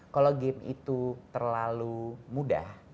kalau game itu terlalu mudah